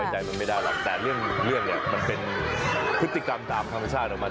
แต่บนทางก็ไม่นะแต่เรื่องนี้มันคุณธีกรรมตามธรรมชาติของมัน